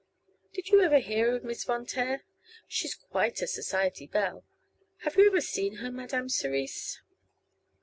Did you ever hear of Miss Von Taer? She's quite a society belle. Have you ever seen her, Madame Cerise?"